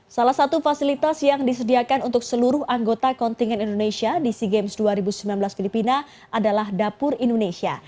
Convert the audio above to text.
salah satu fasilitas yang disediakan untuk seluruh anggota kontingen indonesia di sea games dua ribu sembilan belas filipina adalah dapur indonesia